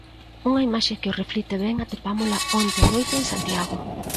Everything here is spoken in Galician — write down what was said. Unha imaxe que o reflicte ben atopámola onte á noite en Santiago.